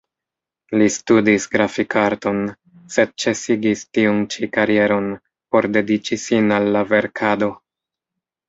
Li studis grafik-arton, sed ĉesigis tiun ĉi karieron, por dediĉi sin al la verkado.